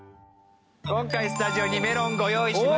今回スタジオにメロンご用意しました。